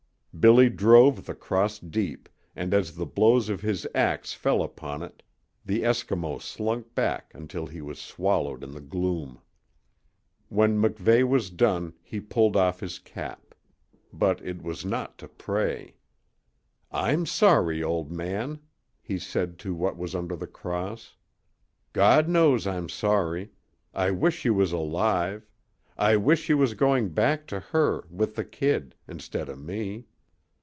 Billy drove the cross deep, and as the blows of his ax fell upon it the Eskimo slunk back until he was swallowed in the gloom. When MacVeigh was done he pulled off his cap. But it was not to pray. "I'm sorry, old man," he said to what was under the cross. "God knows I'm sorry. I wish you was alive. I wish you was going back to her with the kid instid o' me.